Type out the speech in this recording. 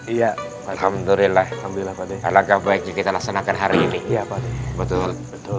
iya alhamdulillah alhamdulillah pada langkah baik kita laksanakan hari ini betul betul